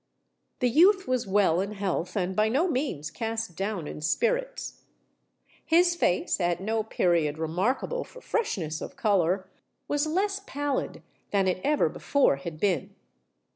The youth was well in health, and by no means cast down in spirits. His face, at no period remarkable for freshness of colour, was less pallid than it ever before had been.